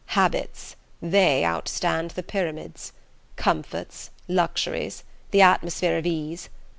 Habits they outstand the Pyramids. Comforts, luxuries, the atmosphere of ease...